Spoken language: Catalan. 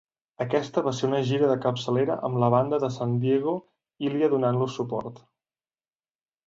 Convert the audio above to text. Aquesta va ser una gira de capçalera amb la banda de San Diego Ilya donant-los suport